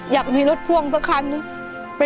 อยากมีรถพ่วงสักคันนึง